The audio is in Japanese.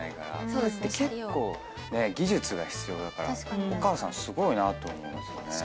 結構技術が必要だからお母さんすごいなと思いますよね。